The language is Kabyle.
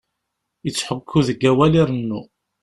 Ittḥukku deg awal irennu.